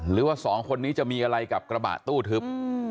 หรือว่าสองคนนี้จะมีอะไรกับกระบะตู้ทึบ